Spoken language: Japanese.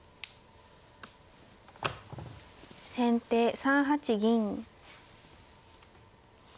先手３八銀。